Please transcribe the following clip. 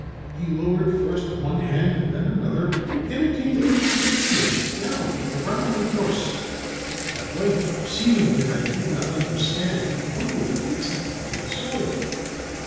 He lowered first one hand and then another, imitating with his fingers the gallop of a runaway horse; at length, perceiving that I did not understand, he pointed fixedly to the soil.